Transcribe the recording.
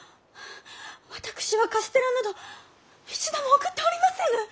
私はカステラなど一度も送っておりませぬ！